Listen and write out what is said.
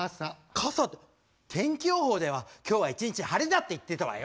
傘って天気予報では今日は一日晴れだって言ってたわよ。